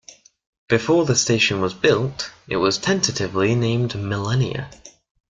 Before the station was built, it was tentatively named Millenia.